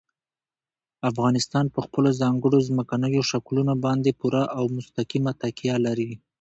افغانستان په خپلو ځانګړو ځمکنیو شکلونو باندې پوره او مستقیمه تکیه لري.